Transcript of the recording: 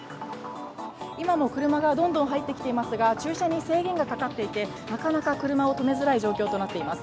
今も車がどんどん入ってきていますが駐車に制限がかかっていてなかなか車を止めづらい状況となっています。